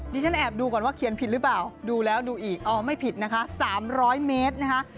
ฉันแอบดูก่อนว่าเขียนผิดหรือเปล่าดูแล้วดูอีกอ๋อไม่ผิดนะคะ๓๐๐เมตรนะคะ